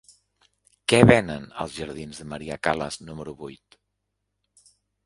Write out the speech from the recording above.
Què venen als jardins de Maria Callas número vuit?